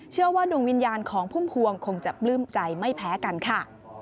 เชื่อว่าดวงวิญญาณของพุ่มพวงคงจะปลื้มใจไม่แพ้กันค่ะ